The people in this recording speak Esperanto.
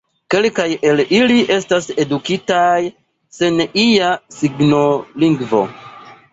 Kelkaj el ili estas edukitaj sen ia signolingvo.